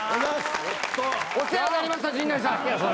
お世話になりました陣内さん。